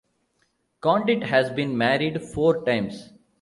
Condit has been married four times.